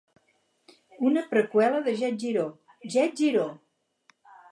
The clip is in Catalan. Una preqüela de Get Jiro !, Get Jiro!